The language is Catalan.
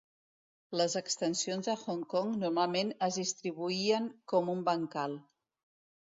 Les extensions de Hong Kong normalment es distribuïen com un bancal.